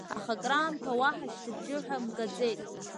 Аха акыраамҭа уаҳа шьҭыбжьы ҳәа мгаӡеит.